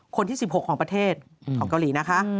๑๖ของประเทศของเกาหลีนะคะ